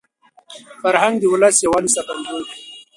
فرهنګ د ولس د یووالي ساتندوی دی.